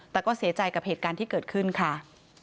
แต่ก็เสียใจกับเหตุการณ์ที่เกิดขึ้นค่ะ